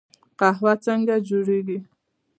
قهوه څنګه جوړیږي؟